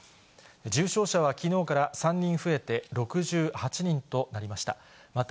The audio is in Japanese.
重症者はきのうから３人増えて、６８人となりました。